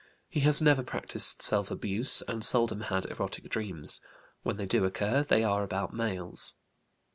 He has never practised self abuse, and seldom had erotic dreams; when they do occur they are about males.